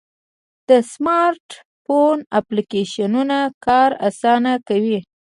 د سمارټ فون اپلیکیشنونه کار آسانه کوي.